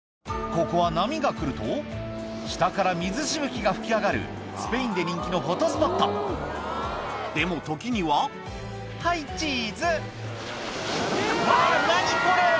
ここは波が来ると下から水しぶきが噴き上がるスペインで人気のフォトスポットでも時には「はいチーズ」「あぁ何これ！